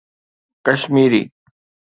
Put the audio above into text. Kashmiri